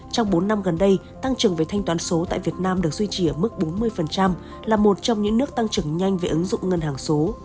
trong bốn năm gần đây tăng trưởng về thanh toán số tại việt nam được duy trì ở mức bốn mươi là một trong những nước tăng trưởng nhanh về ứng dụng ngân hàng số